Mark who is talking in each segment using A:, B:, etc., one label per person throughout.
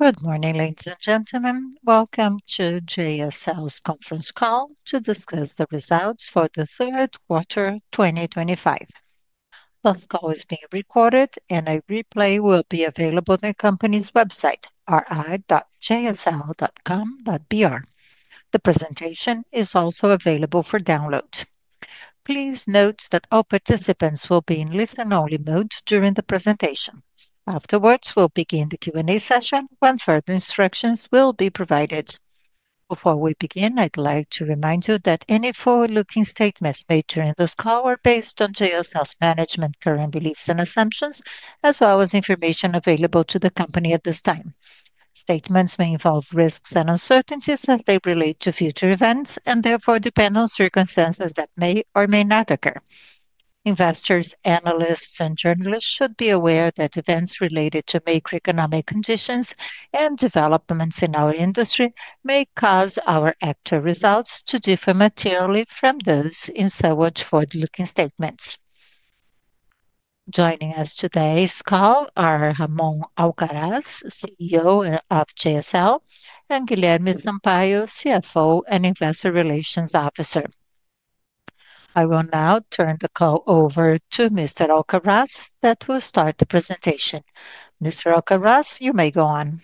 A: Good morning, ladies and gentlemen. Welcome to JSL's conference call to discuss the results for the third quarter 2025. This call is being recorded, and a replay will be available on the company's website, ri.jsl.com.br. The presentation is also available for download. Please note that all participants will be in listen-only mode during the presentation. Afterwards, we'll begin the Q&A session when further instructions will be provided. Before we begin, I'd like to remind you that any forward-looking statements made during this call are based on JSL's management current beliefs and assumptions, as well as information available to the company at this time. Statements may involve risks and uncertainties as they relate to future events and therefore depend on circumstances that may or may not occur. Investors, analysts, and journalists should be aware that events related to macroeconomic conditions and developments in our industry may cause our actual results to differ materially from those in such forward-looking statements. Joining us today's call are Ramon Alcaraz, CEO of JSL, and Guilherme Sampaio, CFO and Investor Relations Officer. I will now turn the call over to Mr. Alcaraz that will start the presentation. Mr. Alcaraz, you may go on.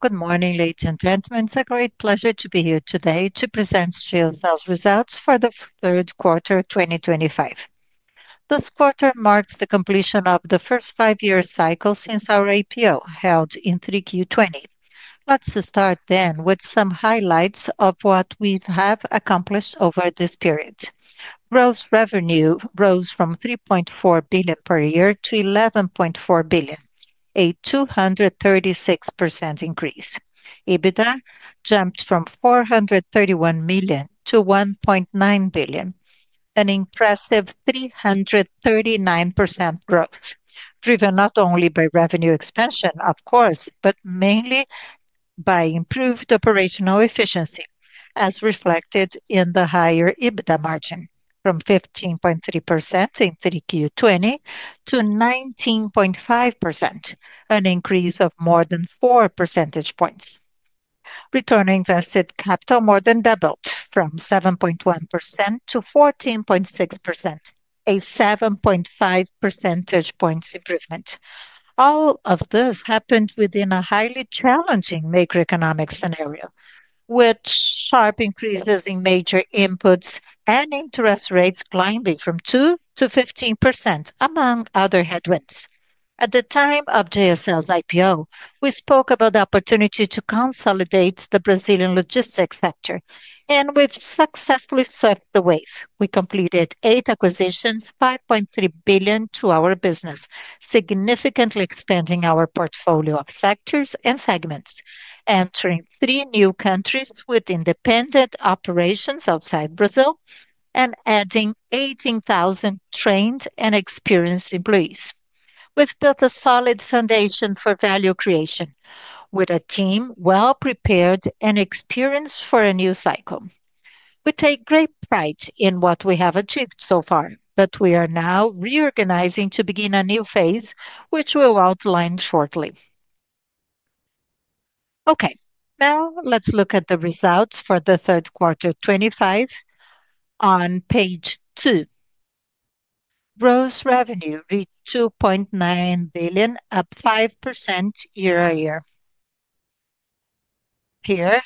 B: Good morning, ladies and gentlemen. It's a great pleasure to be here today to present JSL's results for the third quarter 2025. This quarter marks the completion of the first five-year cycle since our IPO, held in 3Q 2020. Let's start then with some highlights of what we have accomplished over this period. Revenue rose from 3.4 billion per year to 11.4 billion, a 236% increase. EBITDA jumped from 431 million to 1.9 billion, an impressive 339% growth, driven not only by revenue expansion, of course, but mainly by improved operational efficiency, as reflected in the higher EBITDA margin from 15.3% in 3Q 2020 to 19.5%, an increase of more than four percentage points. Return on invested capital more than doubled from 7.1%-14.6%, a 7.5 percentage points improvement. All of this happened within a highly challenging macroeconomic scenario, with sharp increases in major inputs and interest rates climbing from 2%-15%, among other headwinds. At the time of JSL's IPO, we spoke about the opportunity to consolidate the Brazilian logistics sector, and we've successfully surfed the wave. We completed eight acquisitions, 5.3 billion to our business, significantly expanding our portfolio of sectors and segments, entering three new countries with independent operations outside Brazil and adding 18,000 trained and experienced employees. We've built a solid foundation for value creation with a team well prepared and experienced for a new cycle. We take great pride in what we have achieved so far, but we are now reorganizing to begin a new phase, which we'll outline shortly. Okay, now let's look at the results for the third quarter 2025 on page two. Gross revenue reached 2.9 billion, up 5% year-on-year. Here,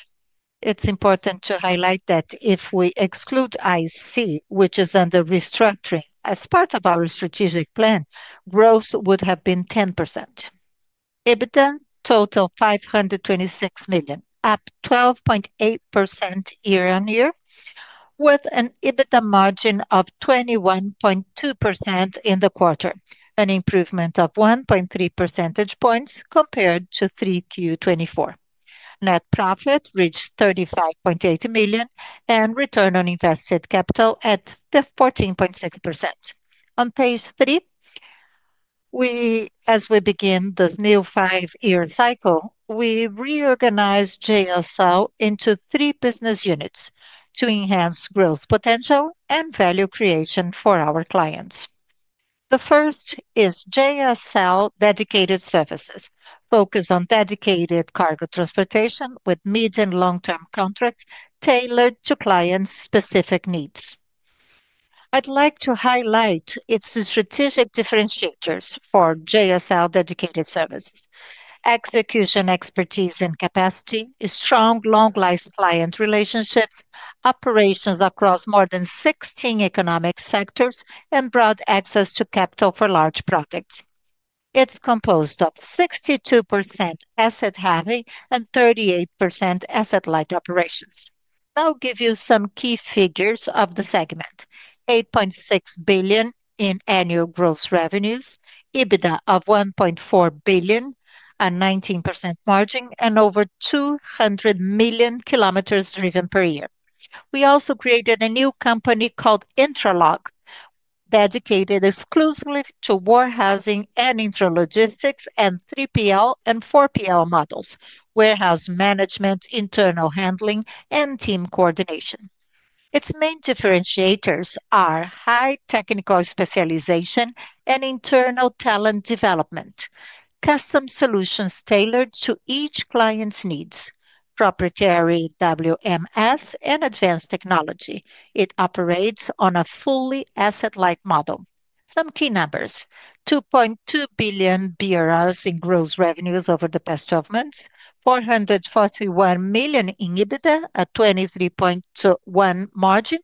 B: it's important to highlight that if we exclude IC Transportes, which is under restructuring as part of our strategic plan, growth would have been 10%. EBITDA totaled BRL 526 million, up 12.8% year-on-year, with an EBITDA margin of 21.2% in the quarter, an improvement of 1.3 percentage points compared to 3Q 2024. Net profit reached 35.8 million and return on invested capital at 14.6%. On page three, as we begin this new five-year cycle, we reorganize JSL into three business units to enhance growth potential and value creation for our clients. The first is JSL Dedicated Services, focused on dedicated cargo transportation with medium-long-term contracts tailored to clients' specific needs. I'd like to highlight its strategic differentiators for JSL Dedicated Services: execution expertise and capacity, strong long-lasting client relationships, operations across more than 16 economic sectors, and broad access to capital for large projects. It's composed of 62% asset-heavy and 38% asset-light operations. I'll give you some key figures of the segment: 8.6 billion in annual gross revenues, EBITDA of 1.4 billion, a 19% margin, and over 200 million kilometers driven per year. We also created a new company called Intralog, dedicated exclusively to warehousing and intralogistics and 3PL and 4PL models, warehouse management, internal handling, and team coordination. Its main differentiators are high technical specialization and internal talent development, custom solutions tailored to each client's needs, proprietary WMS, and advanced technology. It operates on a fully asset-light model. Some key numbers: 2.2 billion in gross revenues over the past 12 months, 441 million in EBITDA, a 23.1% margin,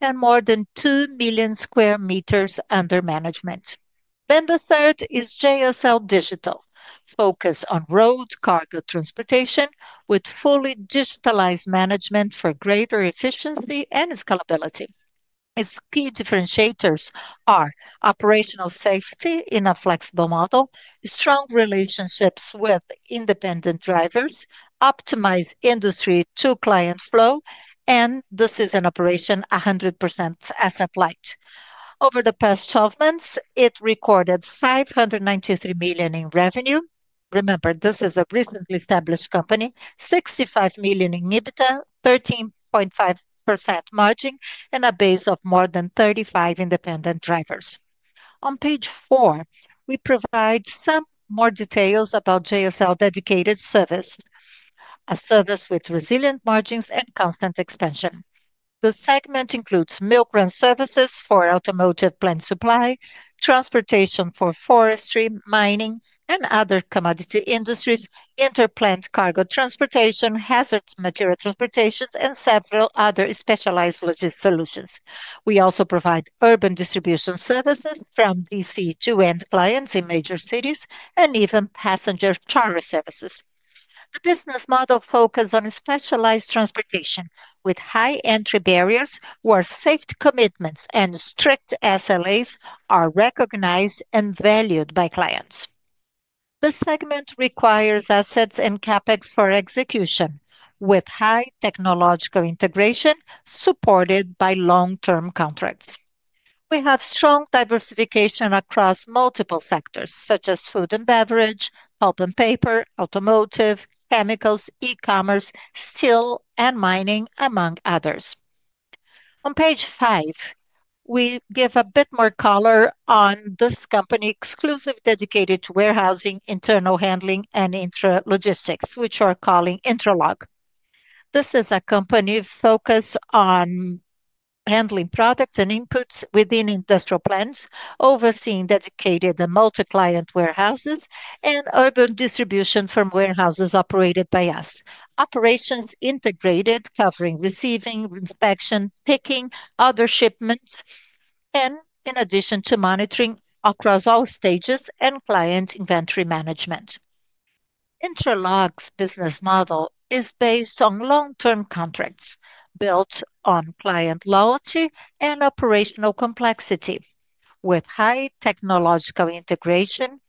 B: and more than 2 million sq m under management. The third is JSL Digital, focused on road cargo transportation with fully digitalized management for greater efficiency and scalability. Its key differentiators are operational safety in a flexible model, strong relationships with independent drivers, optimized industry-to-client flow, and decision operation 100% asset-light. Over the past 12 months, it recorded 593 million in revenue. Remember, this is a recently established company: 65 million in EBITDA, 13.5% margin, and a base of more than 35 independent drivers. On page four, we provide some more details about JSL Dedicated Services, a service with resilient margins and constant expansion. The segment includes milk run services for automotive plant supply, transportation for forestry, mining, and other commodity industries, interplant cargo transportation, hazard material transportation, and several other specialized logistics solutions. We also provide urban distribution services from DC to end clients in major cities and even passenger charter services. The business model focuses on specialized transportation with high entry barriers where safety commitments and strict SLAs are recognized and valued by clients. The segment requires assets and CapEx for execution, with high technological integration supported by long-term contracts. We have strong diversification across multiple sectors, such as food and beverage, pulp and paper, automotive, chemicals, e-commerce, steel, and mining, among others. On page five, we give a bit more color on this company exclusive dedicated to warehousing, internal handling, and intralogistics, which we're calling Intralog. This is a company focused on handling products and inputs within industrial plants, overseeing dedicated and multi-client warehouses, and urban distribution from warehouses operated by us. Operations integrated, covering receiving, inspection, picking, other shipments, and in addition to monitoring across all stages and client inventory management. Intralog's business model is based on long-term contracts built on client loyalty and operational complexity, with high technological integration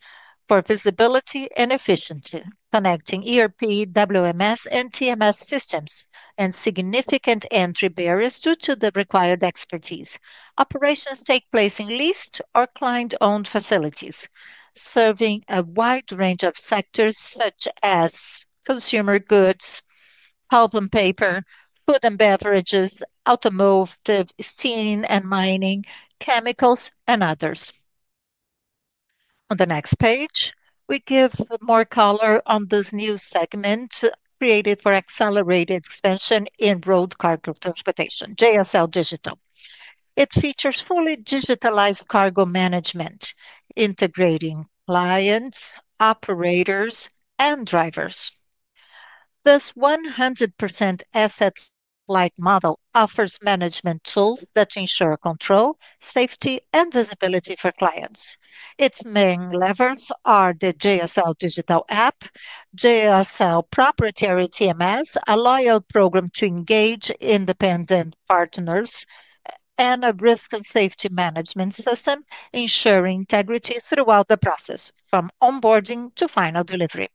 B: for visibility and efficiency, connecting ERP, WMS, and TMS systems, and significant entry barriers due to the required expertise. Operations take place in leased or client-owned facilities, serving a wide range of sectors such as consumer goods, pulp and paper, food and beverages, automotive, steel and mining, chemicals, and others. On the next page, we give more color on this new segment created for accelerated expansion in road cargo transportation, JSL Digital. It features fully digitalized cargo management, integrating clients, operators, and drivers. This 100% asset-light model offers management tools that ensure control, safety, and visibility for clients. Its main levers are the JSL Digital app, JSL proprietary TMS, a loyalty program to engage independent partners, and a risk and safety management system, ensuring integrity throughout the process, from onboarding to final delivery.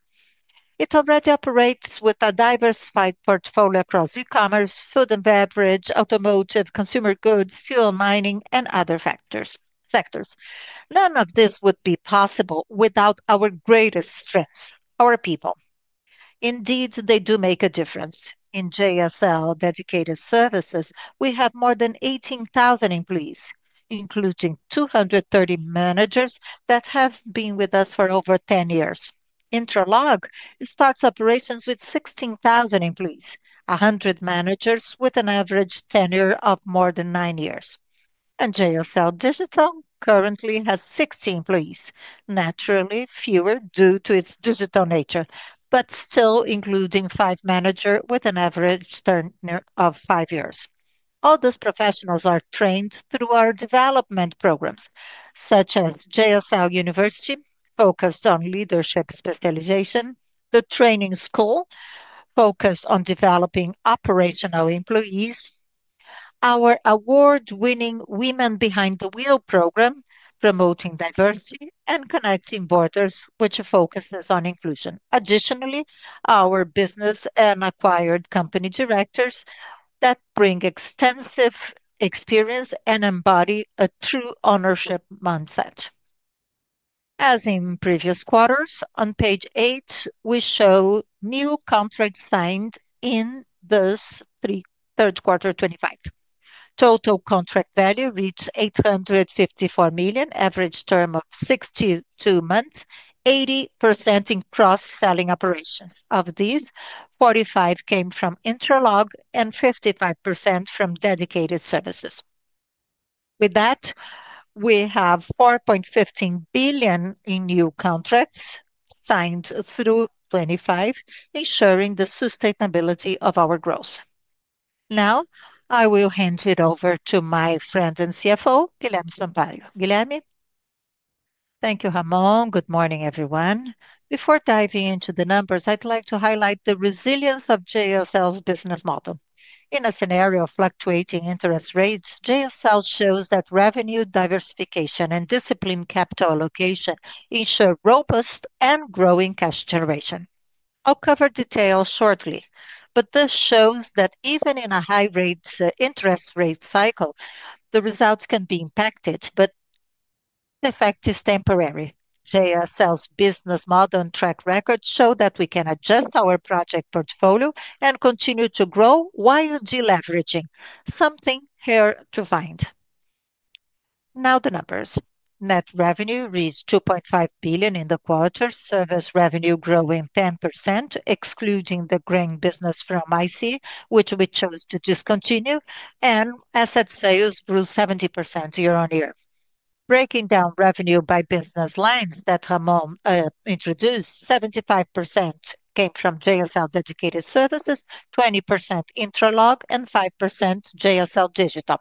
B: It already operates with a diversified portfolio across e-commerce, food and beverage, automotive, consumer goods, steel and mining, and other sectors. None of this would be possible without our greatest strengths, our people. Indeed, they do make a difference. In JSL Dedicated Services, we have more than 18,000 employees, including 230 managers that have been with us for over 10 years. Intralog starts operations with 16,000 employees, 100 managers with an average tenure of more than nine years. JSL Digital currently has 60 employees, naturally fewer due to its digital nature, but still including five managers with an average tenure of five years. All those professionals are trained through our development programs, such as JSL University, focused on leadership specialization, the training school focused on developing operational employees, our award-winning Women Behind the Wheel program, promoting diversity and connecting borders, which focuses on inclusion. Additionally, our business and acquired company directors bring extensive experience and embody a true ownership mindset. As in previous quarters, on page eight, we show new contracts signed in this third quarter 2025. Total contract value reached 854 million, average term of 62 months, 80% in cross-selling operations. Of these, 45% came from Intralog and 55% from Dedicated Services. With that, we have 4.15 billion in new contracts signed through 2025, ensuring the sustainability of our growth. Now, I will hand it over to my friend and CFO, Guilherme Sampaio. Guilherme.
C: Thank you, Ramon. Good morning, everyone. Before diving into the numbers, I'd like to highlight the resilience of JSL's business model. In a scenario of fluctuating interest rates, JSL shows that revenue diversification and disciplined capital allocation ensure robust and growing cash generation. I'll cover details shortly, but this shows that even in a high interest rate cycle, the results can be impacted, but the effect is temporary. JSL's business model and track record show that we can adjust our project portfolio and continue to grow while deleveraging, something here to find. Now, the numbers. Net revenue reached 2.5 billion in the quarter, service revenue growing 10%, excluding the grain business from IC, which we chose to discontinue, and asset sales grew 70% year-on-year. Breaking down revenue by business lines that Ramon introduced, 75% came from JSL Dedicated Services, 20% Intralog, and 5% JSL Digital.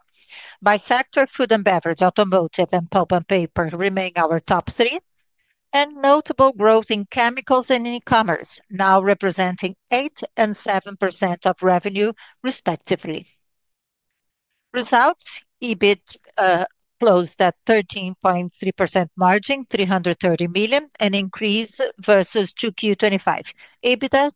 C: By sector, food and beverage, automotive, and pulp and paper remain our top three, and notable growth in chemicals and e-commerce, now representing 8% and 7% of revenue, respectively. Results: EBIT closed at a 13.3% margin, 330 million, an increase versus 2Q 2025. EBITDA: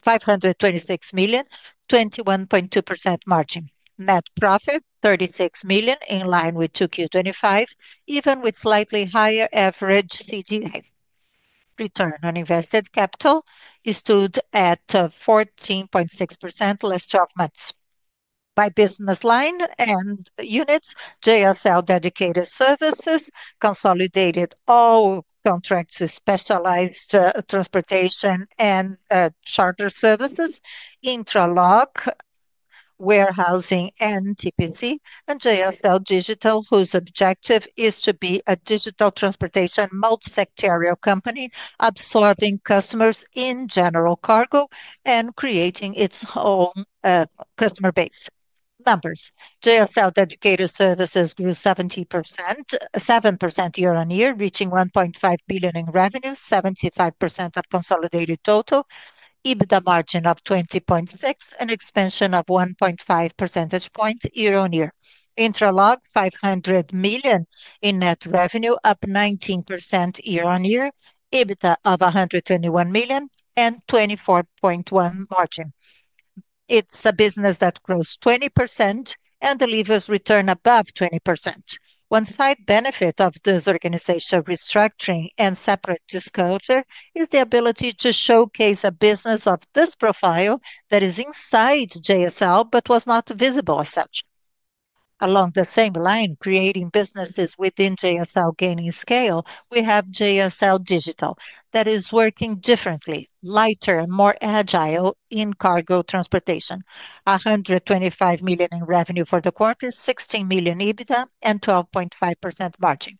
C: 526 million, 21.2% margin. Net profit: 36 million, in line with 2Q 2025, even with slightly higher average CTI. Return on invested capital stood at 14.6% last 12 months. By business line and units, JSL Dedicated Services consolidated all contracts with specialized transportation and charter services, Intralog, warehousing, and TPC, and JSL Digital, whose objective is to be a digital transportation multisectorial company, absorbing customers in general cargo and creating its own customer base. Numbers: JSL Dedicated Services grew 70%, 7% year-on-year, reaching 1.5 billion in revenue, 75% of consolidated total, EBITDA margin of 20.6%, and expansion of 1.5 percentage points year-on-year. Intralog: 500 million in net revenue, up 19% year-on-year, EBITDA of 121 million, and 24.1% margin. It's a business that grows 20% and delivers return above 20%. One side benefit of this organization restructuring and separate disclosure is the ability to showcase a business of this profile that is inside JSL but was not visible as such. Along the same line, creating businesses within JSL gaining scale, we have JSL Digital that is working differently, lighter, and more agile in cargo transportation offering 125 million in revenue for the quarter, 16 million EBITDA, and 12.5% margin.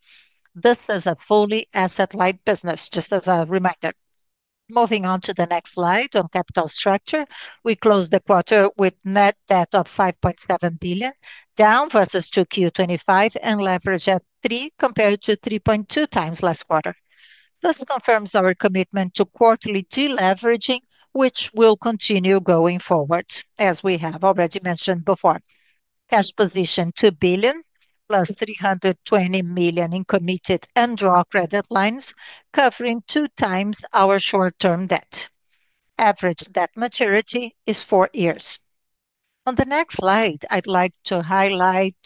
C: This is a fully asset-light business, just as a reminder. Moving on to the next slide on capital structure, we closed the quarter with net debt of 5.7 billion, down versus 2Q 2025, and leverage at 3 compared to 3.2x last quarter. This confirms our commitment to quarterly deleveraging, which will continue going forward, as we have already mentioned before. Cash position 2 billion + 320 million in committed and drawn credit lines, covering two times our short-term debt. Average debt maturity is four years. On the next slide, I'd like to highlight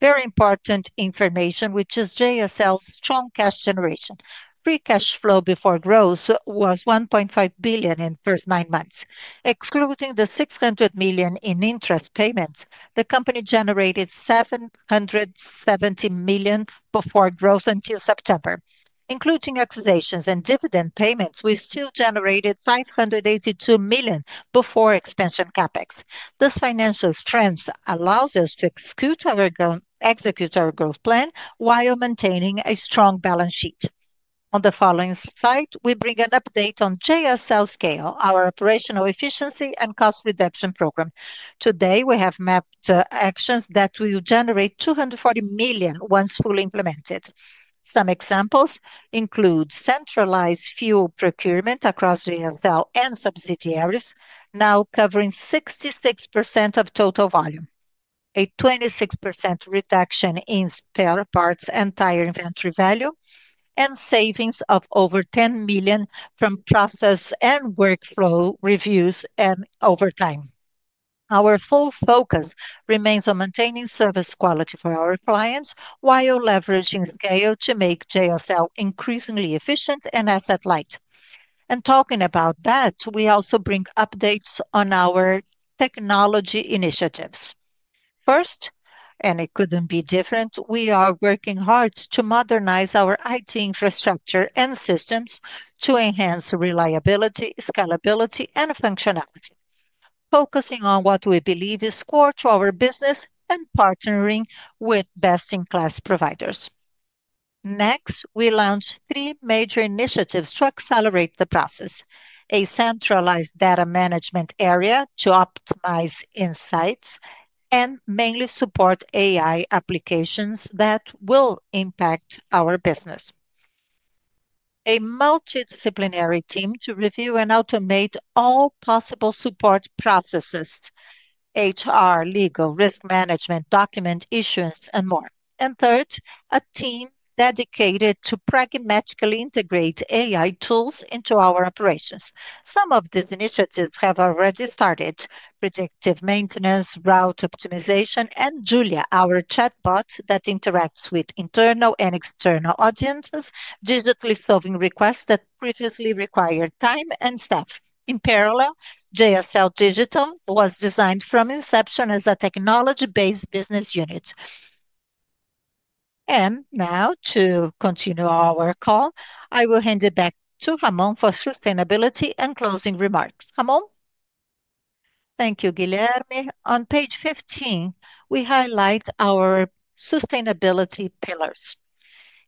C: very important information, which is JSL's strong cash generation. Free cash flow before growth was 1.5 billion in the first nine months. Excluding the 600 million in interest payments, the company generated 770 million before growth until September. Including acquisitions and dividend payments, we still generated 582 million before expansion CapEx. This financial strength allows us to execute our growth plan while maintaining a strong balance sheet. On the following slide, we bring an update on JSL Scale, our operational efficiency and cost reduction program. Today, we have mapped actions that will generate 240 million once fully implemented. Some examples include centralized fuel procurement across JSL and subsidiaries, now covering 66% of total volume, a 26% reduction in spare parts and tire inventory value, and savings of over 10 million from process and workflow reviews and overtime. Our full focus remains on maintaining service quality for our clients while leveraging scale to make JSL increasingly efficient and asset-light. Talking about that, we also bring updates on our technology initiatives. First, and it could not be different, we are working hard to modernize our IT infrastructure and systems to enhance reliability, scalability, and functionality, focusing on what we believe is core to our business and partnering with best-in-class providers. Next, we launched three major initiatives to accelerate the process: a centralized data management area to optimize insights and mainly support AI applications that will impact our business; a multidisciplinary team to review and automate all possible support processes: HR, legal, risk management, document issuance, and more. Third, a team dedicated to pragmatically integrate AI tools into our operations. Some of these initiatives have already started: predictive maintenance, route optimization, and Julia, our chatbot that interacts with internal and external audiences, digitally solving requests that previously required time and staff. In parallel, JSL Digital was designed from inception as a technology-based business unit. Now, to continue our call, I will hand it back to Ramon for sustainability and closing remarks. Ramon?
B: Thank you, Guilherme. On page 15, we highlight our sustainability pillars.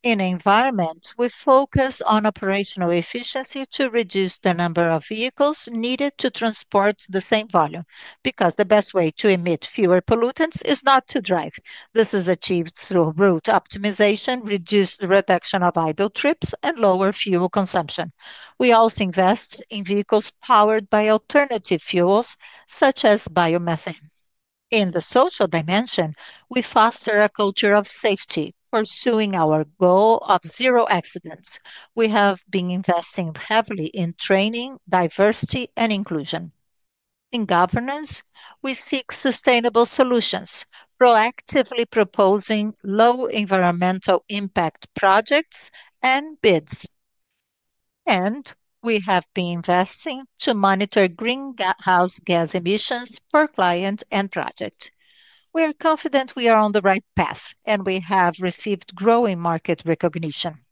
B: In environment, we focus on operational efficiency to reduce the number of vehicles needed to transport the same volume, because the best way to emit fewer pollutants is not to drive. This is achieved through route optimization, reduced idle trips, and lower fuel consumption. We also invest in vehicles powered by alternative fuels, such as biomethane. In the social dimension, we foster a culture of safety, pursuing our goal of zero accidents. We have been investing heavily in training, diversity, and inclusion. In governance, we seek sustainable solutions, proactively proposing low environmental impact projects and bids. We have been investing to monitor greenhouse gas emissions per client and project. We are confident we are on the right path, and we have received growing market recognition.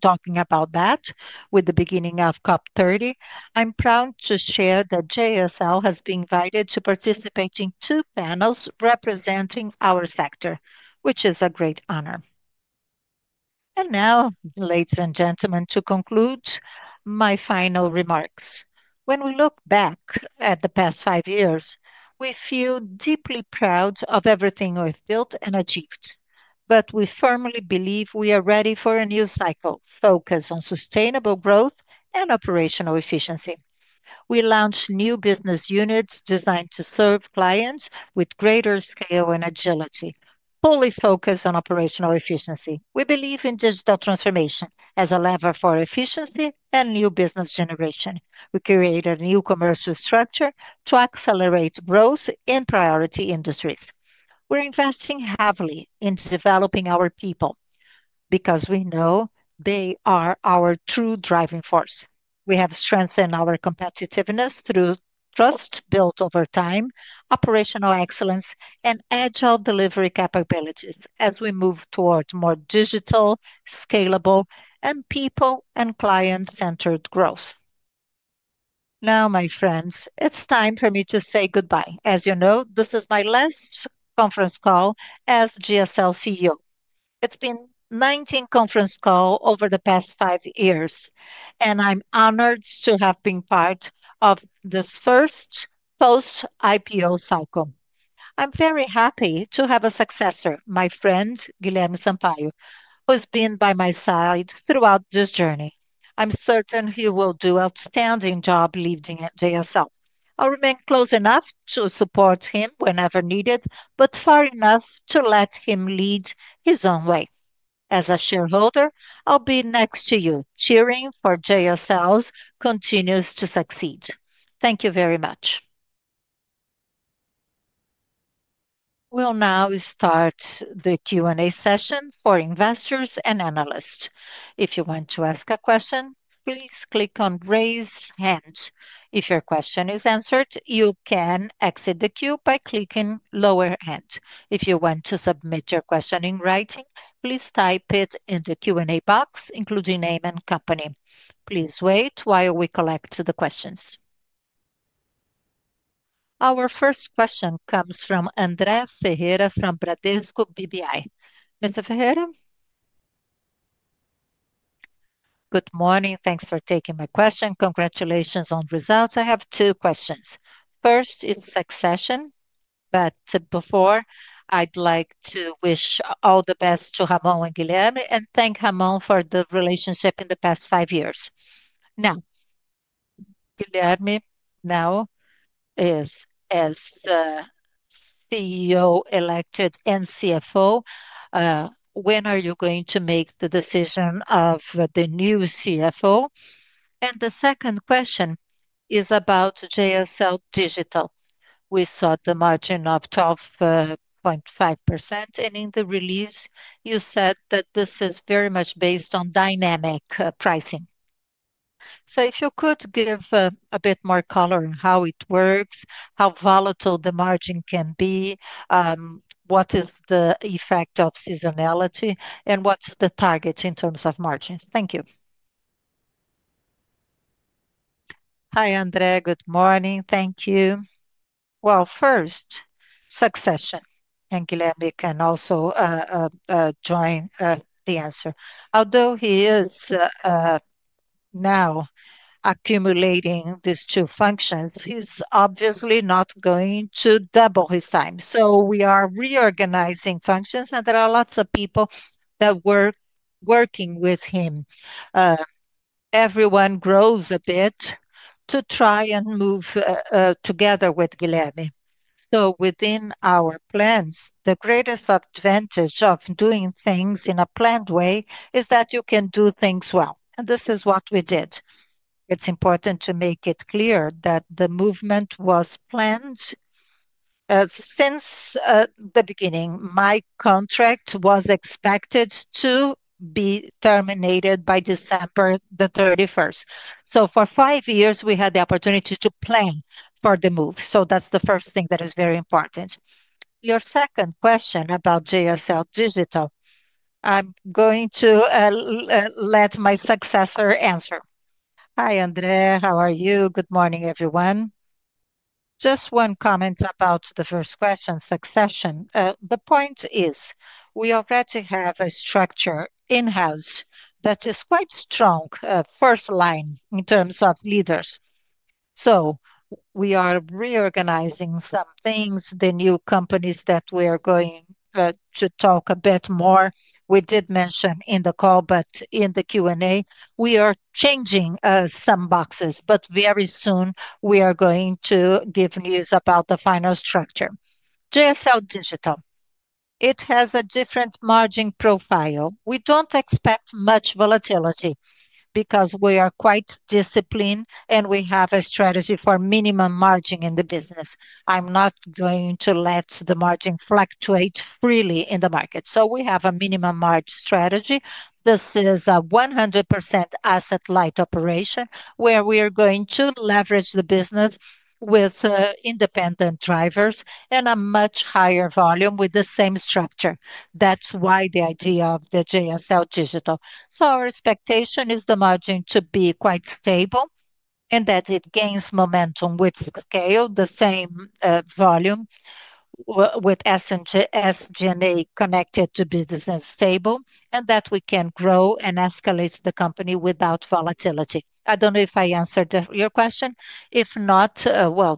B: Talking about that, with the beginning of COP30, I'm proud to share that JSL has been invited to participate in two panels representing our sector, which is a great honor. Now, ladies and gentlemen, to conclude my final remarks. When we look back at the past five years, we feel deeply proud of everything we've built and achieved, but we firmly believe we are ready for a new cycle focused on sustainable growth and operational efficiency. We launched new business units designed to serve clients with greater scale and agility, fully focused on operational efficiency. We believe in digital transformation as a lever for efficiency and new business generation. We created a new commercial structure to accelerate growth in priority industries. We're investing heavily in developing our people because we know they are our true driving force. We have strengthened our competitiveness through trust built over time, operational excellence, and agile delivery capabilities as we move towards more digital, scalable, and people and client-centered growth. Now, my friends, it's time for me to say goodbye. As you know, this is my last conference call as JSL CEO. It's been 19 conference calls over the past five years, and I'm honored to have been part of this first post-IPO cycle. I'm very happy to have a successor, my friend Guilherme Sampaio, who's been by my side throughout this journey. I'm certain he will do an outstanding job leading at JSL. I'll remain close enough to support him whenever needed, but far enough to let him lead his own way. As a shareholder, I'll be next to you, cheering for JSL to continue to succeed. Thank you very much.
A: We'll now start the Q&A session for investors and analysts. If you want to ask a question, please click on "Raise Hand." If your question is answered, you can exit the queue by clicking "Lower Hand." If you want to submit your question in writing, please type it in the Q&A box, including name and company. Please wait while we collect the questions. Our first question comes from André Ferreira from Bradesco BBI. Mr. Ferreira?
D: Good morning. Thanks for taking my question. Congratulations on results. I have two questions. First is succession, but before I'd like to wish all the best to Ramon and Guilherme and thank Ramon for the relationship in the past five years. Now, Guilherme now is as CEO elected and CFO. When are you going to make the decision of the new CFO? The second question is about JSL Digital. We saw the margin of 12.5%, and in the release, you said that this is very much based on dynamic pricing. If you could give a bit more color on how it works, how volatile the margin can be, what is the effect of seasonality, and what is the target in terms of margins. Thank you.
B: Hi, Andrea. Good morning. Thank you. First, succession. Guilherme can also join the answer. Although he is now accumulating these two functions, he is obviously not going to double his time. We are reorganizing functions, and there are lots of people that were working with him. Everyone grows a bit to try and move together with Guilherme. Within our plans, the greatest advantage of doing things in a planned way is that you can do things well. This is what we did. It's important to make it clear that the movement was planned since the beginning. My contract was expected to be terminated by December the 31st. For five years, we had the opportunity to plan for the move. That's the first thing that is very important. Your second question about JSL Digital, I'm going to let my successor answer.
C: Hi, Andrea. How are you? Good morning, everyone. Just one comment about the first question, succession. The point is we already have a structure in-house that is quite strong, first line in terms of leaders. We are reorganizing some things, the new companies that we are going to talk a bit more. We did mention in the call, but in the Q&A, we are changing some boxes, but very soon we are going to give news about the final structure. JSL Digital, it has a different margin profile. We do not expect much volatility because we are quite disciplined and we have a strategy for minimum margin in the business. I am not going to let the margin fluctuate freely in the market. We have a minimum margin strategy. This is a 100% asset-light operation where we are going to leverage the business with independent drivers and a much higher volume with the same structure. That is why the idea of the JSL Digital. Our expectation is the margin to be quite stable and that it gains momentum with scale, the same volume with SG&A connected to business and stable, and that we can grow and escalate the company without volatility. I do not know if I answered your question. If not,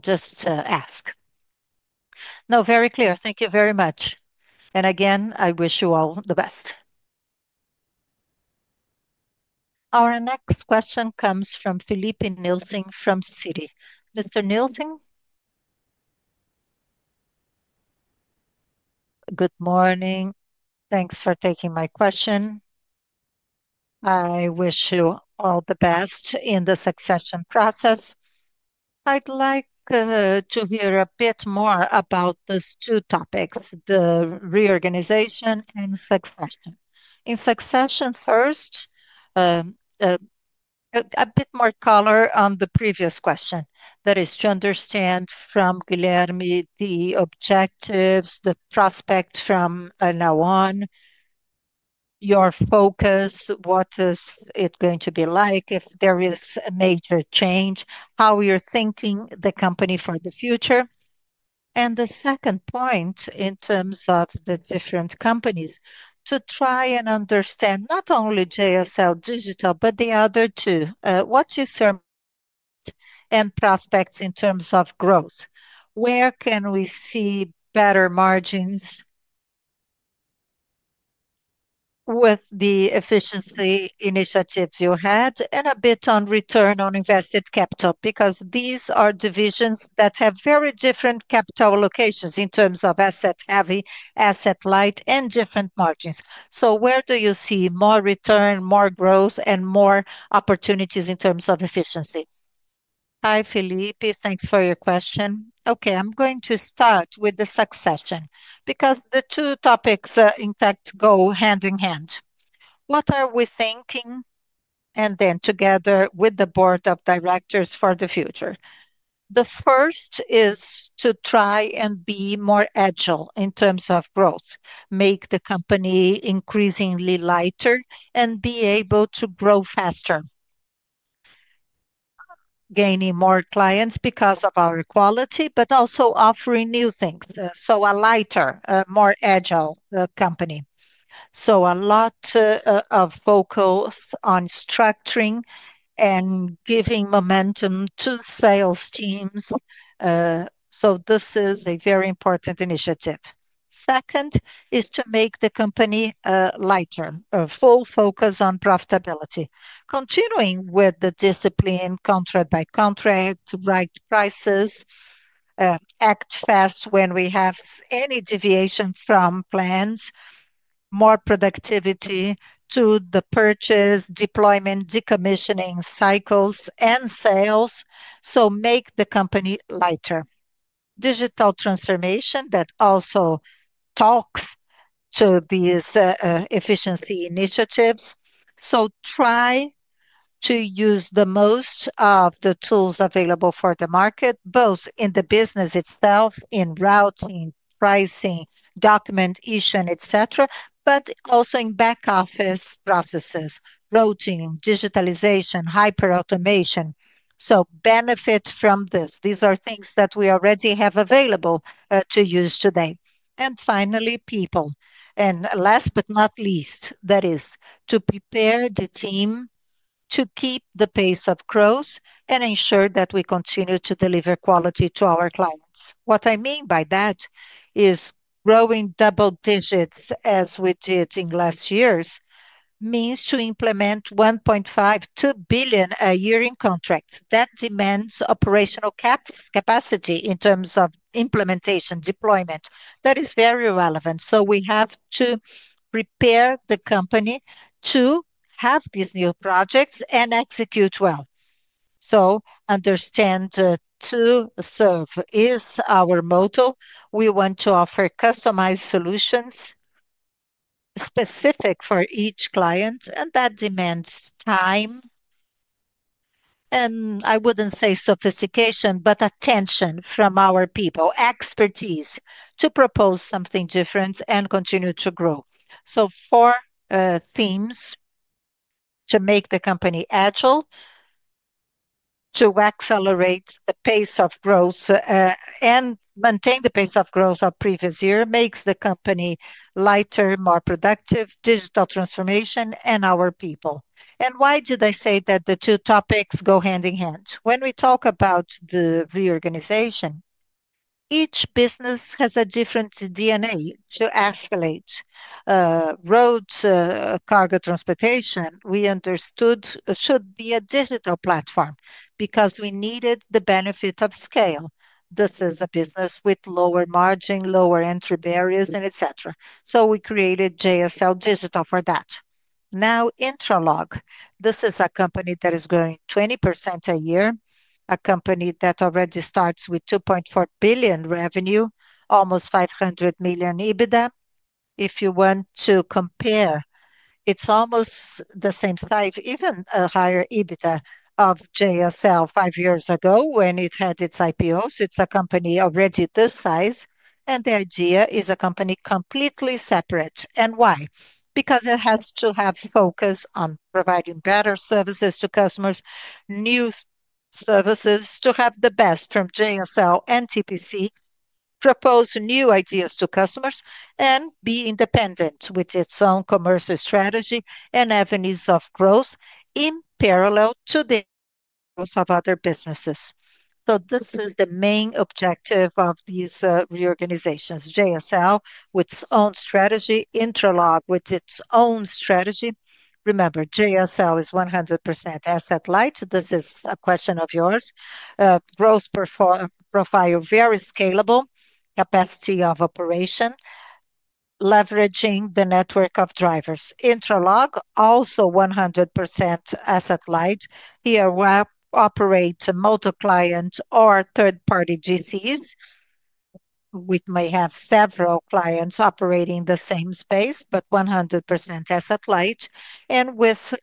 C: just ask.
D: No, very clear. Thank you very much. Again, I wish you all the best.
A: Our next question comes from Filipe Nielsen from Citi. Mr. Nielsen.
E: Good morning. Thanks for taking my question. I wish you all the best in the succession process. I'd like to hear a bit more about these two topics, the reorganization and succession. In succession first, a bit more color on the previous question. That is to understand from Guilherme the objectives, the prospect from now on, your focus, what is it going to be like if there is a major change, how you're thinking the company for the future. The second point in terms of the different companies to try and understand not only JSL Digital, but the other two, what you serve and prospects in terms of growth. Where can we see better margins with the efficiency initiatives you had and a bit on return on invested capital? Because these are divisions that have very different capital locations in terms of asset-heavy, asset-light, and different margins. Where do you see more return, more growth, and more opportunities in terms of efficiency?
B: Hi, Filipe. Thanks for your question. Okay, I'm going to start with the succession because the two topics, in fact, go hand in hand. What are we thinking? Together with the board of directors for the future, the first is to try and be more agile in terms of growth, make the company increasingly lighter and be able to grow faster, gaining more clients because of our quality, but also offering new things. A lighter, more agile company. A lot of focus on structuring and giving momentum to sales teams. This is a very important initiative. Second is to make the company lighter, a full focus on profitability, continuing with the discipline contract-by-contract, right prices, act fast when we have any deviation from plans, more productivity to the purchase, deployment, decommissioning cycles, and sales. Make the company lighter. Digital transformation that also talks to these efficiency initiatives. Try to use the most of the tools available for the market, both in the business itself, in routing, pricing, documentation, et cetera, but also in back office processes, routing, digitalization, hyperautomation. Benefit from this. These are things that we already have available to use today. Finally, people. Last but not least, that is to prepare the team to keep the pace of growth and ensure that we continue to deliver quality to our clients. What I mean by that is growing double digits as we did in last years means to implement 1.52 billion a year in contracts. That demands operational capacity in terms of implementation, deployment. That is very relevant. We have to prepare the company to have these new projects and execute well. Understand to serve is our motto. We want to offer customized solutions specific for each client, and that demands time. I would not say sophistication, but attention from our people, expertise to propose something different and continue to grow. Four themes to make the company agile, to accelerate the pace of growth and maintain the pace of growth of previous year makes the company lighter, more productive, digital transformation, and our people. Why did I say that the two topics go hand-in-hand? When we talk about the reorganization, each business has a different DNA to escalate roads, cargo transportation, we understood should be a digital platform because we needed the benefit of scale. This is a business with lower margin, lower entry barriers, and et cetera. So we created JSL Digital for that. Now, Intralog, this is a company that is growing 20% a year, a company that already starts with 2.4 billion revenue, almost 500 million EBITDA. If you want to compare, it is almost the same size, even a higher EBITDA of JSL five years ago when it had its IPO. It is a company already this size. The idea is a company completely separate. Why? Because it has to have focus on providing better services to customers, new services to have the best from JSL and TPC, propose new ideas to customers, and be independent with its own commercial strategy and avenues of growth in parallel to the growth of other businesses. This is the main objective of these reorganizations. JSL with its own strategy, Intralog with its own strategy. Remember, JSL is 100% asset-light. This is a question of yours. Growth profile, very scalable, capacity of operation, leveraging the network of drivers. Intralog also 100% asset-light. Here we operate multi-client or third-party GCs. We may have several clients operating the same space, but 100% asset-light and with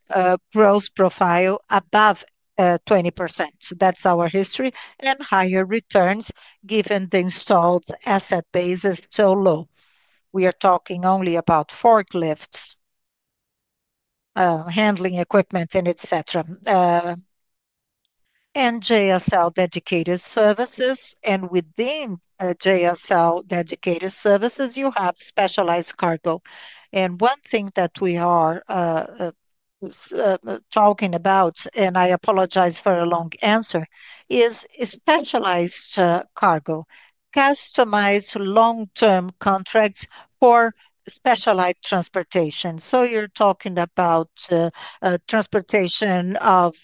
B: growth profile above 20%. That is our history and higher returns given the installed asset base is so low. We are talking only about forklifts, handling equipment, and et cetera. And JSL Dedicated Services. Within JSL Dedicated Services, you have specialized cargo. One thing that we are talking about, and I apologize for a long answer, is specialized cargo, customized long-term contracts for specialized transportation. You are talking about transportation of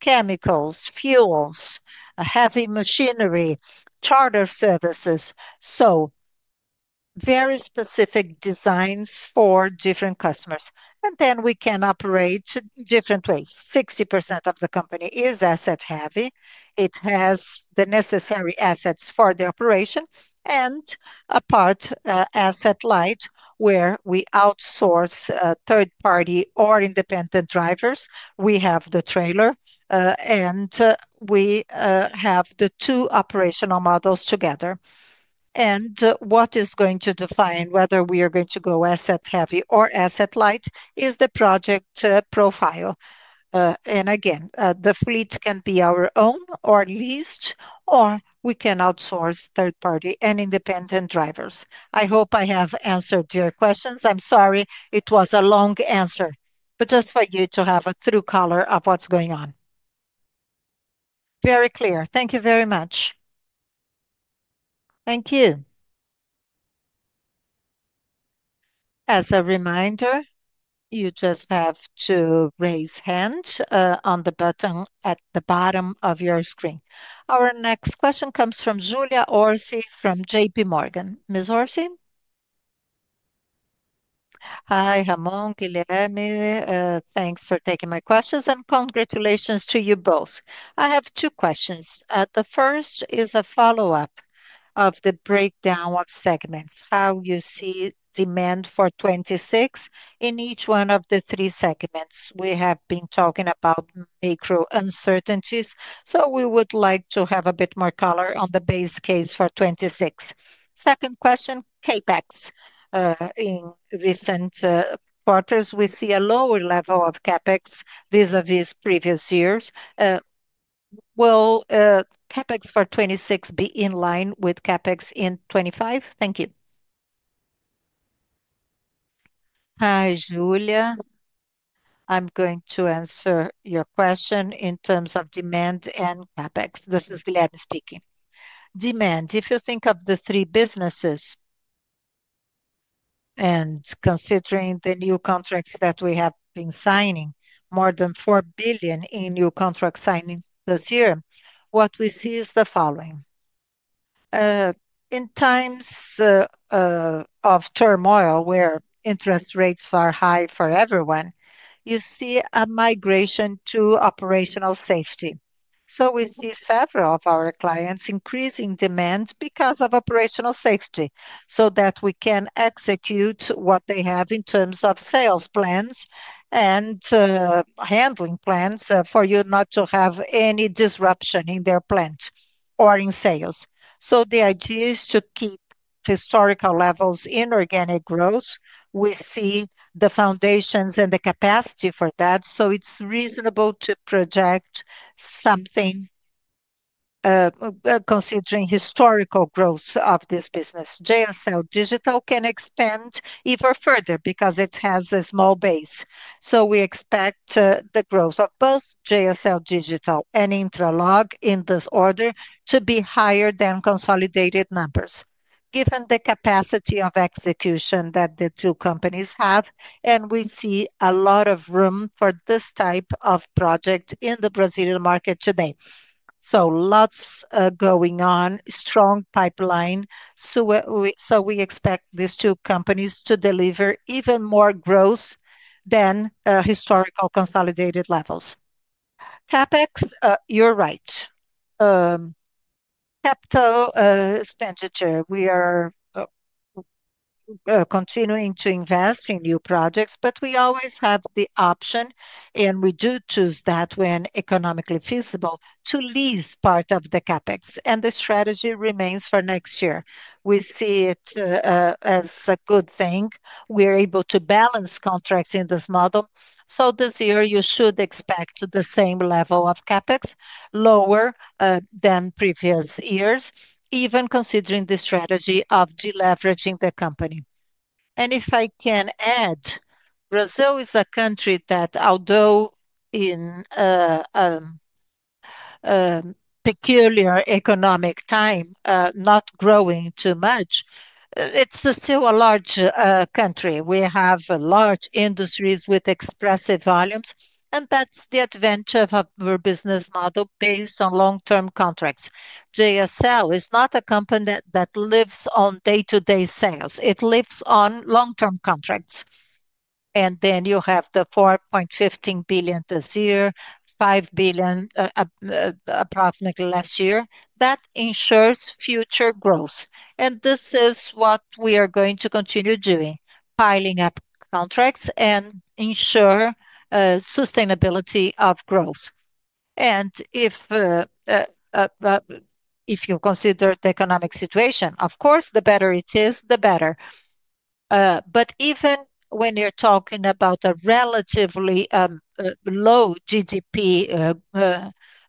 B: chemicals, fuels, heavy machinery, charter services. Very specific designs for different customers. We can operate different ways, 60% of the company is asset-heavy. It has the necessary assets for the operation and a part asset-light where we outsource third-party or independent drivers. We have the trailer, and we have the two operational models together. What is going to define whether we are going to go asset-heavy or asset-light is the project profile. The fleet can be our own or leased, or we can outsource third-party and independent drivers. I hope I have answered your questions. I'm sorry. It was a long answer, but just for you to have a true color of what's going on.
E: Very clear. Thank you very much.
A: Thank you. As a reminder, you just have to raise hand on the button at the bottom of your screen. Our next question comes from Julia Orsi from JPMorgan. Ms. Orsi?
F: Hi, Ramon, Guilherme. Thanks for taking my questions and congratulations to you both. I have two questions. The first is a follow-up of the breakdown of segments, how you see demand for 2026 in each one of the three segments. We have been talking about macro uncertainties, so we would like to have a bit more color on the base case for 2026. Second question, CapEx. In recent quarters, we see a lower level of CapEx vis-à-vis previous years. Will CapEx for 2026 be in line with CapEx in 2025? Thank you.
C: Hi, Julia. I'm going to answer your question in terms of demand and CapEx. This is Guilherme speaking. Demand, if you think of the three businesses and considering the new contracts that we have been signing, more than 4 billion in new contract signing this year, what we see is the following. In times of turmoil where interest rates are high for everyone, you see a migration to operational safety. We see several of our clients increasing demand because of operational safety so that we can execute what they have in terms of sales plans and handling plans for you not to have any disruption in their plant or in sales. The idea is to keep historical levels in organic growth. We see the foundations and the capacity for that. It's reasonable to project something considering historical growth of this business. JSL Digital can expand even further because it has a small base. We expect the growth of both JSL Digital and Intralog in this order to be higher than consolidated numbers given the capacity of execution that the two companies have. We see a lot of room for this type of project in the Brazilian market today. Lots going on, strong pipeline. We expect these two companies to deliver even more growth than historical consolidated levels. CapEx, you're right. Capital expenditure, we are continuing to invest in new projects, but we always have the option, and we do choose that when economically feasible, to lease part of the CapEx. The strategy remains for next year. We see it as a good thing. We're able to balance contracts in this model. This year, you should expect the same level of CapEx, lower than previous years, even considering the strategy of deleveraging the company. If I can add, Brazil is a country that, although in a peculiar economic time, not growing too much, is still a large country. We have large industries with expressive volumes, and that is the advantage of our business model based on long-term contracts. JSL is not a company that lives on day-to-day sales. It lives on long-term contracts. You have the 4.15 billion this year, 5 billion approximately last year that ensures future growth. This is what we are going to continue doing, piling up contracts and ensuring sustainability of growth. If you consider the economic situation, of course, the better it is, the better. Even when you're talking about a relatively low GDP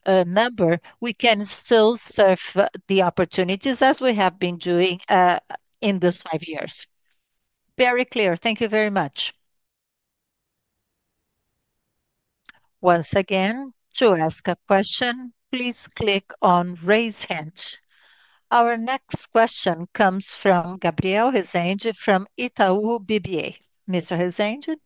C: number, we can still serve the opportunities as we have been doing in these five years.
F: Very clear. Thank you very much.
A: Once again, to ask a question, please click on raise hand. Our next question comes from Gabriel Resende from Itaú BBA. Mr. Rezende?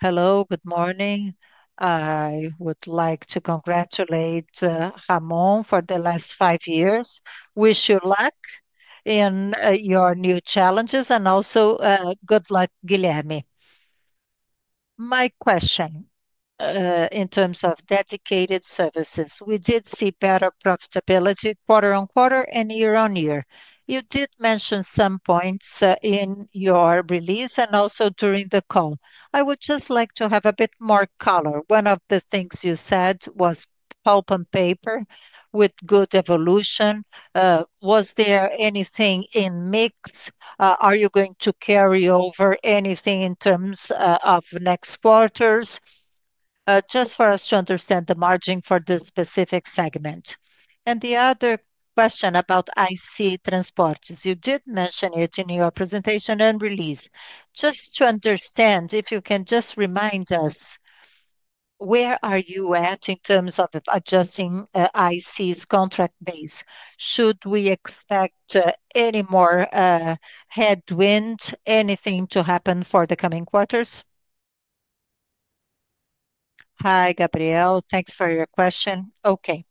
G: Hello, good morning. I would like to congratulate Ramon for the last five years. Wish you luck in your new challenges and also good luck, Guilherme. My question in terms of dedicated services, we did see better profitability quarter-on-quarter and year-on-year. You did mention some points in your release and also during the call. I would just like to have a bit more color. One of the things you said was pulp and paper with good evolution. Was there anything in mix? Are you going to carry over anything in terms of next quarters? Just for us to understand the margin for this specific segment. The other question about IC Transportes, you did mention it in your presentation and release. Just to understand, if you can just remind us, where are you at in terms of adjusting IC's contract base? Should we expect any more headwind, anything to happen for the coming quarters?
C: Hi, Gabriel. Thanks for your question. Okay.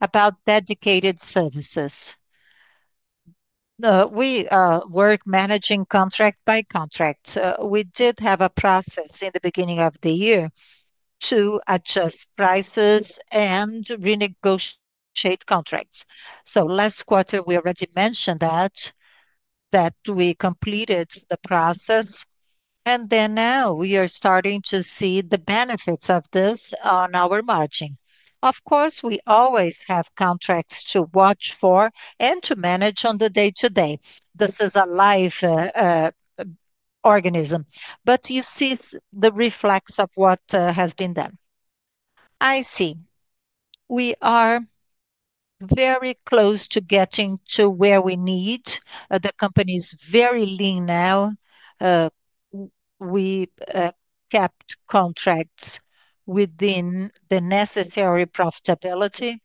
C: About dedicated services, we work managing contract-by-contract. We did have a process in the beginning of the year to adjust prices and renegotiate contracts. Last quarter, we already mentioned that we completed the process. Now we are starting to see the benefits of this on our margin. Of course, we always have contracts to watch for and to manage on the day-to-day. This is a live organism, but you see the reflex of what has been done. I see. We are very close to getting to where we need. The company is very lean now. We kept contracts within the necessary profitability.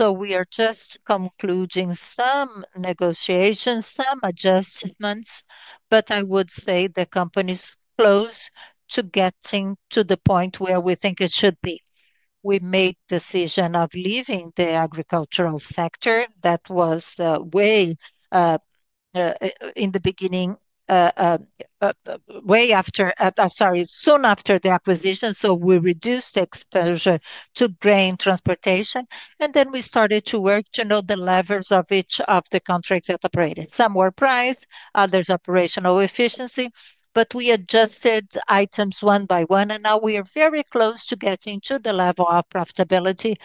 C: We are just concluding some negotiations, some adjustments, but I would say the company is close to getting to the point where we think it should be. We made the decision of leaving the agricultural sector. That was way in the beginning, way after, sorry, soon after the acquisition. We reduced exposure to grain transportation, and then we started to work to know the levers of each of the contracts that operated. Some were price, others operational efficiency, but we adjusted items one-by-one, and now we are very close to getting to the level of profitability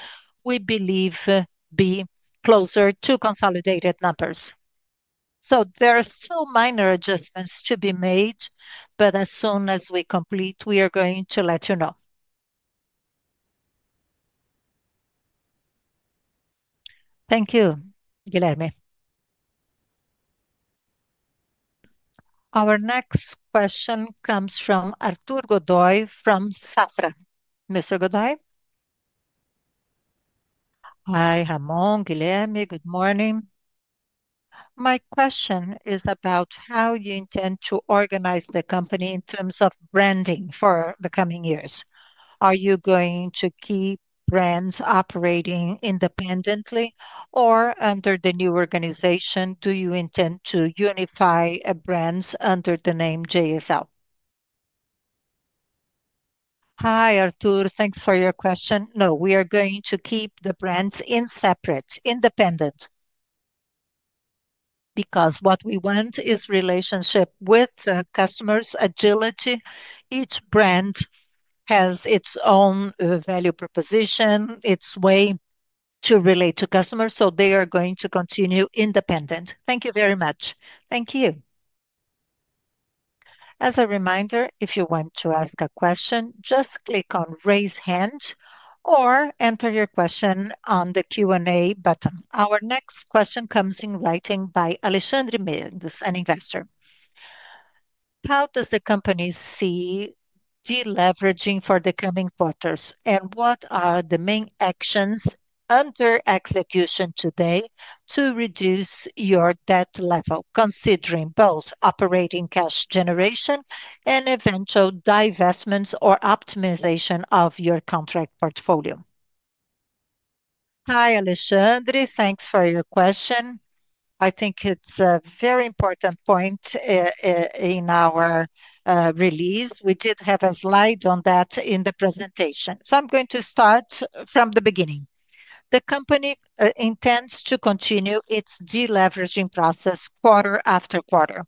C: we believe be closer to consolidated numbers. There are still minor adjustments to be made, but as soon as we complete, we are going to let you know.
G: Thank you, Guilherme.
A: Our next question comes from Arthur Godoy, from Safra. Mr. Godoy?
H: Hi, Ramon, Guilherme. Good morning. My question is about how you intend to organize the company in terms of branding for the coming years. Are you going to keep brands operating independently or under the new organization? Do you intend to unify brands under the name JSL?
C: Hi, Arthur. Thanks for your question. No, we are going to keep the brands in separate, independent. Because what we want is relationship with customers, agility. Each brand has its own value proposition, its way to relate to customers. They are going to continue independent. Thank you very much.
A: Thank you. As a reminder, if you want to ask a question, just click on raise hand or enter your question on the Q&A button. Our next question comes in writing by Alexandre Mendes, an investor.
I: How does the company see deleveraging for the coming quarters? And what are the main actions under execution today to reduce your debt level, considering both operating cash generation and eventual divestments or optimization of your contract portfolio?
C: Hi, Alexandre. Thanks for your question. I think it's a very important point in our release. We did have a slide on that in the presentation. I'm going to start from the beginning. The company intends to continue its deleveraging process quarter after quarter.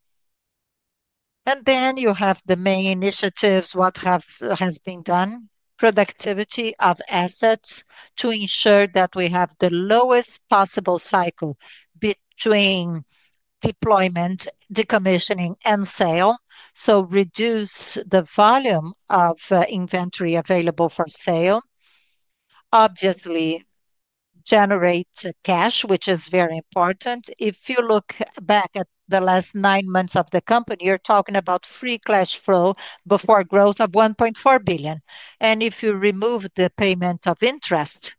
C: You have the main initiatives, what has been done, productivity of assets to ensure that we have the lowest possible cycle between deployment, decommissioning, and sale. To reduce the volume of inventory available for sale. Obviously, generate cash, which is very important. If you look back at the last nine months of the company, you're talking about free cash flow before growth of 1.4 billion. If you remove the payment of interest,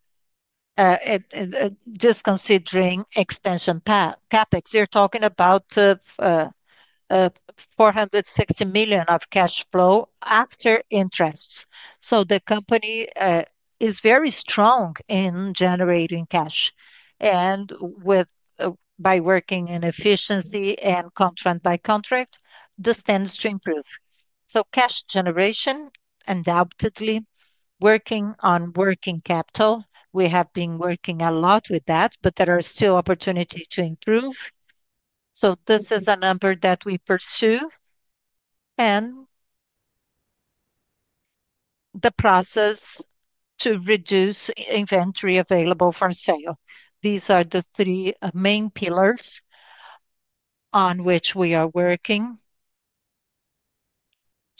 C: just considering expansion CapEx, you're talking about 460 million of cash flow after interest. The company is very strong in generating cash. By working in efficiency and contract-by-contract, this tends to improve. Cash generation, undoubtedly, working on working capital. We have been working a lot with that, but there are still opportunities to improve. This is a number that we pursue. The process to reduce inventory available for sale. These are the three main pillars on which we are working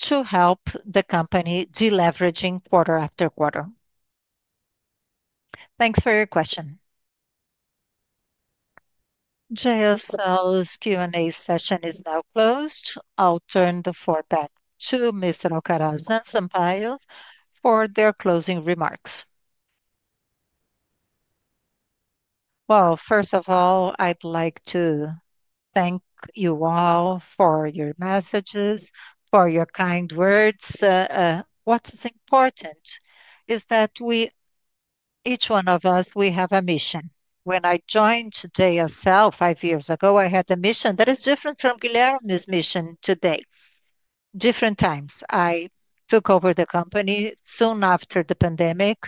C: to help the company deleveraging quarter-after-quarter. Thanks for your question.
A: JSL's Q&A session is now closed. I'll turn the floor back to Mr. Alcaraz and Sampaio for their closing remarks.
B: First of all, I'd like to thank you all for your messages, for your kind words. What is important is that each one of us, we have a mission. When I joined JSL five years ago, I had a mission that is different from Guilherme's mission today. Different times. I took over the company soon after the pandemic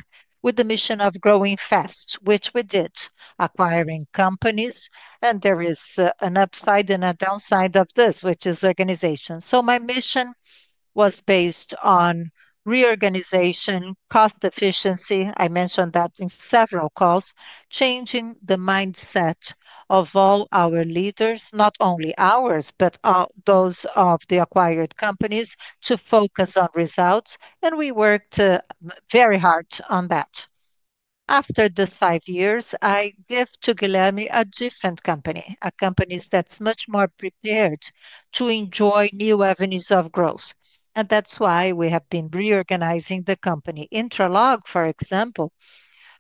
B: with the mission of growing fast, which we did, acquiring companies. There is an upside and a downside of this, which is organization. My mission was based on reorganization, cost efficiency. I mentioned that in several calls, changing the mindset of all our leaders, not only ours, but those of the acquired companies to focus on results. We worked very hard on that. After these five years, I gave to Guilherme a different company, a company that's much more prepared to enjoy new avenues of growth. That is why we have been reorganizing the company. Intralog, for example,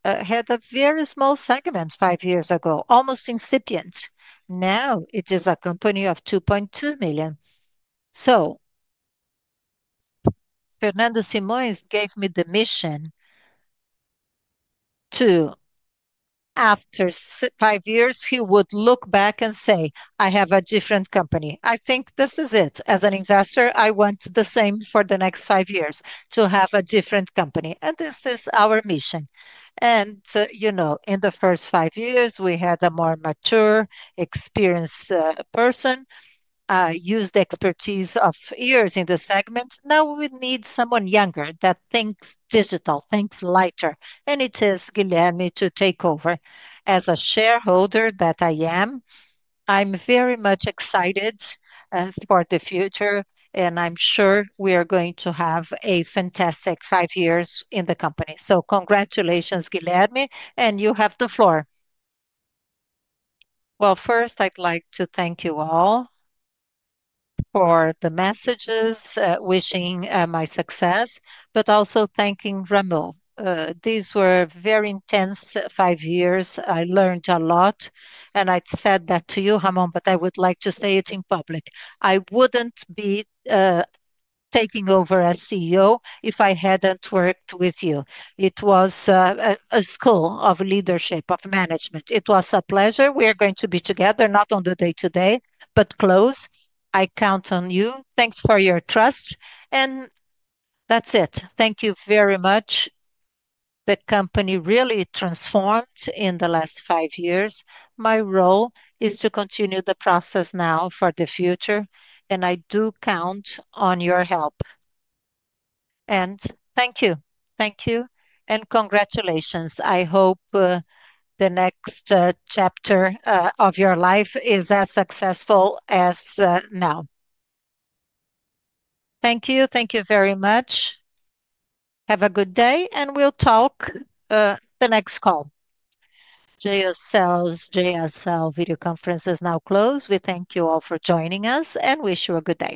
B: had a very small segment five years ago, almost incipient. Now it is a company of 2.2 million. Fernando Simões gave me the mission to, after five years, he would look back and say, "I have a different company." I think this is it. As an investor, I want the same for the next five years, to have a different company. This is our mission. You know, in the first five years, we had a more mature, experienced person. I used the expertise of years in the segment. Now we need someone younger that thinks digital, thinks lighter. It is Guilherme to take over. As a shareholder that I am, I'm very much excited for the future, and I'm sure we are going to have a fantastic five years in the company. Congratulations, Guilherme, and you have the floor.
C: First, I'd like to thank you all for the messages, wishing my success, but also thanking Ramon. These were very intense five years. I learned a lot, and I'd said that to you, Ramon, but I would like to say it in public. I wouldn't be taking over as CEO if I hadn't worked with you. It was a school of leadership, of management. It was a pleasure. We are going to be together, not on the day-to-day, but close. I count on you. Thanks for your trust. That's it. Thank you very much. The company really transformed in the last five years. My role is to continue the process now for the future, and I do count on your help. Thank you.
B: Thank you. Congratulations. I hope the next chapter of your life is as successful as now.
A: Thank you. Thank you very much. Have a good day, and we'll talk the next call. JSL's video conference is now closed. We thank you all for joining us and wish you a good day.